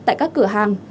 tại các cửa hàng